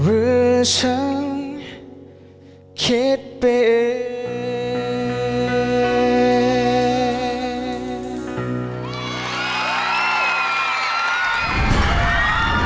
หรือฉันคิดไปเอง